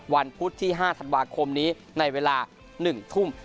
พุธที่๕ธันวาคมนี้ในเวลา๑ทุ่ม